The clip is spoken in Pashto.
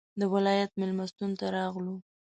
د ولایت مېلمستون ته راغلو.